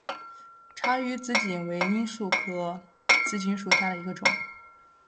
察隅紫堇为罂粟科紫堇属下的一个种。